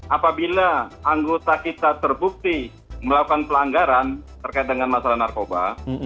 apabila anggota kita terbukti melakukan pelanggaran terkait dengan masalah narkoba